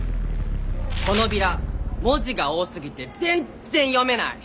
このビラ文字が多すぎて全然読めない！